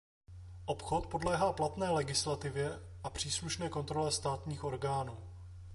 Obchod podléhá platné legislativě a příslušné kontrole státních orgánů.